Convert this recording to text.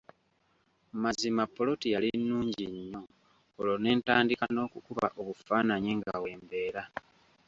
Mazima ppoloti yali nnungi nnyo olwo ne ntandika n’okukuba obufaananyi nga we mbeera.